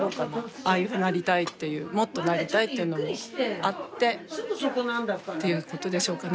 ああいうふうになりたいっていうもっとなりたいっていうのもあってっていうことでしょうかね